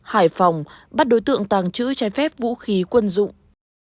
hải phòng bắt đối tượng tàng trữ trái phép vũ khí quân dụng